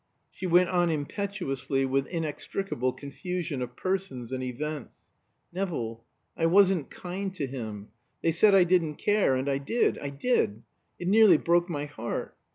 She went on impetuously, with inextricable confusion of persons and events. "Nevill I wasn't kind to him. They said I didn't care and I did I did! It nearly broke my heart.